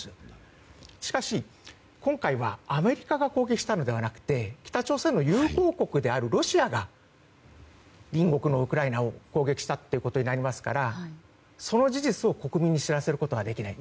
しかし、今回はアメリカが攻撃したのではなくて北朝鮮の友好国であるロシアが隣国ウクライナを攻撃したということになるのでその事実を国民に知らせることはできない。